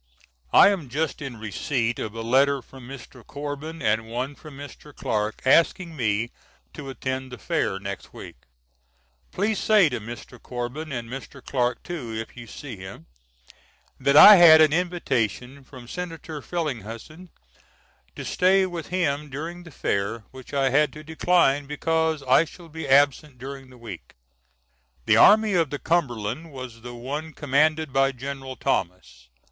I am just in receipt of a letter from Mr. Corbin, and one from Mr. Clark, asking me to attend the Fair next week. Please say to Mr. Corbin, and Mr. Clark too if you see him, that I had an invitation from Senator Frelinghuysen to stay with him during the Fair which I had to decline because I shall be absent during the week. The Army of the Cumberland was the one commanded by General Thomas.